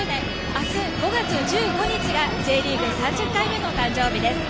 あす５月１５日がＪリーグ３０回目の誕生日です。